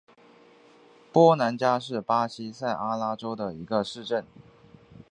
波兰加是巴西塞阿拉州的一个市镇。